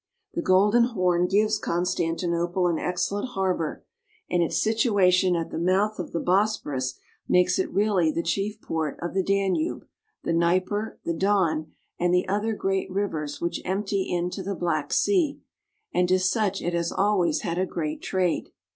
The Golden Horn gives Constantinople an excellent harbor, and its situ IN CONSTANTINOPLE. 363 ation at the mouth of the Bosporus makes it really the chief port of the Danube, the Dnieper, the Don, and the other great rivers which empty into the Black Sea, and as such it has always had a great trade.